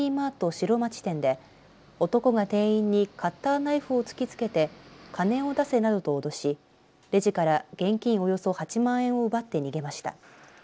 城町店で男が店員にカッターナイフを突きつけて金を出せなどと脅しレジから現金およそ８万円を奪って逃げました。